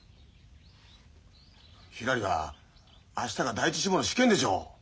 ひらりは明日が第一志望の試験でしょ。